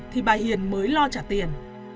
hiền mới lo trả tiền